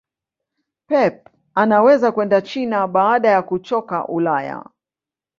pep anaweza kwenda china baada ya kuchoka ulaya